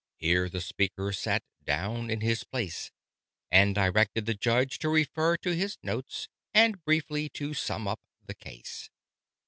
Here the speaker sat down in his place, And directed the Judge to refer to his notes And briefly to sum up the case.